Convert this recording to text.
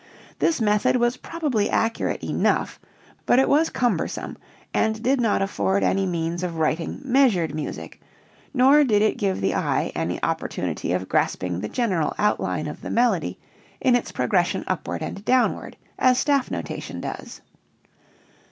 This method was probably accurate enough, but it was cumbersome, and did not afford any means of writing "measured music" nor did it give the eye any opportunity of grasping the general outline of the melody in its progression upward and downward, as staff notation does.